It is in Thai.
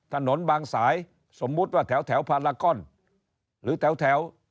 ถนนบางสายสมมุติว่าแถวพารากอนหรือแถว